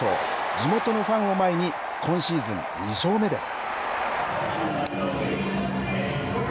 地元のファンを前に、今シーズン２勝目です。